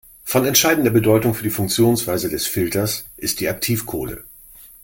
Von entscheidender Bedeutung für die Funktionsweise des Filters ist die Aktivkohle.